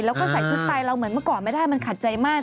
แล้วก็ใส่ชุดสไตล์เราเหมือนเมื่อก่อนไม่ได้มันขัดใจมาก